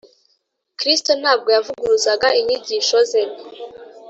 . Kristo ntabwo yavuguruzaga inyigisho ze